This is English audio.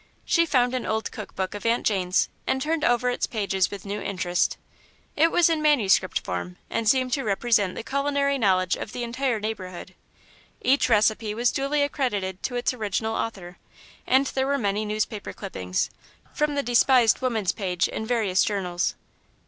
She found an old cook book of Aunt Jane's and turned over its pages with new interest. It was in manuscript form, and seemed to represent the culinary knowledge of the entire neighbourhood. Each recipe was duly accredited to its original author, and there were many newspaper clippings, from the despised "Woman's Page" in various journals.